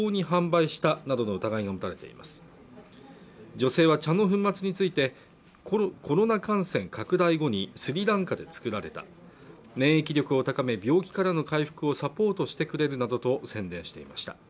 女性は茶の粉末についてコロナ感染拡大後にスリランカで作られた免疫力を高め病気からの回復をサポートしてくれるなどと宣伝していました